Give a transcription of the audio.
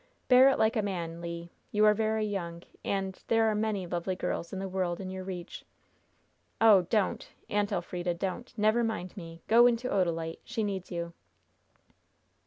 "Bear it like a man, Le! You are very young, and there are many lovely girls in the world in your reach." "Oh, don't. Aunt Elfrida! don't! Never mind me! Go in to Odalite she needs you."